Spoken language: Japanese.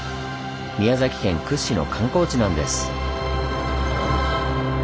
宮崎県屈指の観光地なんです。